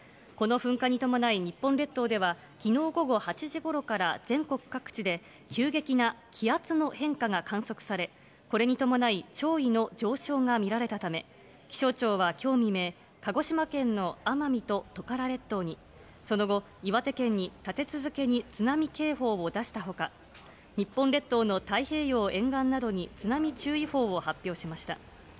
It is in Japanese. この噴火に伴い、日本列島ではきのう午後８時ごろから全国各地で急激な気圧の変化が観測され、これに伴い潮位の上昇が見られたため、気象庁はきょう未明、鹿児島県の奄美とトカラ列島に、その後、岩手県に立て続けに津波警報を出したほか、日本列島の太平洋沿岸などに、津波注意報を発表しました。